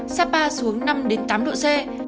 sát ba xuống năm tám độ c